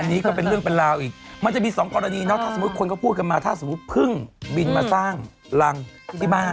อันนี้ก็เป็นเรื่องเป็นราวอีกมันจะมีสองกรณีเนาะถ้าสมมุติคนก็พูดกันมาถ้าสมมุติเพิ่งบินมาสร้างรังที่บ้าน